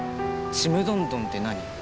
ちむどんどんって何？